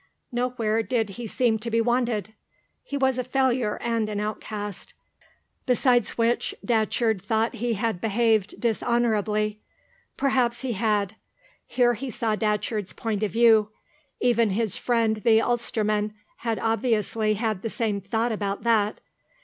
Nowhere did he seem to be wanted. He was a failure and an outcast. Besides which, Datcherd thought he had behaved dishonourably. Perhaps he had. Here he saw Datcherd's point of view. Even his friend the Ulsterman had obviously had the same thought about that.